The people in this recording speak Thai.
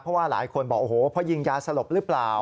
เพราะว่าหลายคนบอกโอ้โหเพราะยิงยาสลบหรือเปล่า